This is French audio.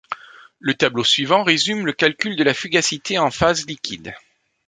Le tableau suivant résume le calcul de la fugacité en phase liquide.